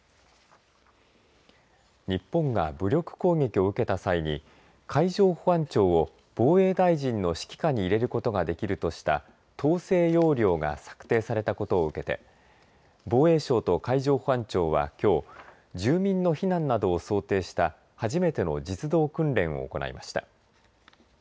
日本が武力攻撃を受けた際に海上保安庁を防衛大臣の指揮下に入れることができるとした統制要領が策定されたことを受けて防衛省と海上保安庁はきょう住民の避難などを想定した初めての実動訓練を行いました。